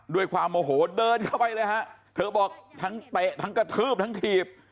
ด้วยความโมโหเดินเข้าไปเลยฮะเธอบอกทั้งเตะทั้งกระทืบทั้งถีบ